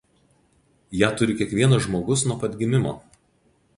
Ją turi kiekvienas žmogus nuo pat gimimo.